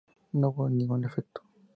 No hubo ningún efecto.